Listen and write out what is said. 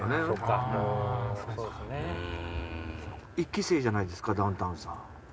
１期生じゃないですかダウンタウンさん。